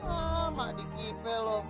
ah mah dikipe lo